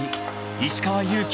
［石川祐希